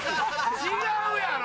違うやろ！